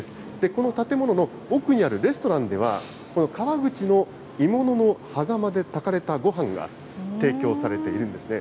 この建物の奥にあるレストランでは、この川口の鋳物の羽釜で炊かれたごはんが提供されているんですね。